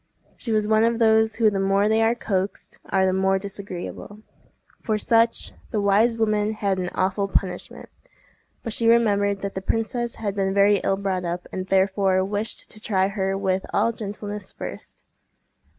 She was one of those who the more they are coaxed are the more disagreeable. For such, the wise woman had an awful punishment, but she remembered that the princess had been very ill brought up, and therefore wished to try her with all gentleness first.